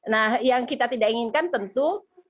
nah yang kita tidak inginkan tentu